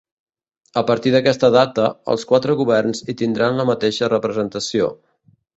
A partir d'aquesta data, els quatre governs hi tindran la mateixa representació.